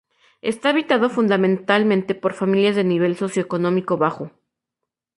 Está habitado fundamentalmente por familias de nivel socioeconómico bajo.